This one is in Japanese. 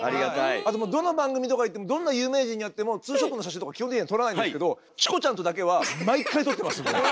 あともうどの番組とか行ってもどんな有名人に会ってもツーショットの写真とか基本的には撮らないんですけどチコちゃんとだけは毎回撮ってますんで。